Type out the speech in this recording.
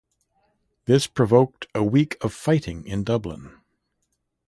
This provoked a week of fighting in Dublin.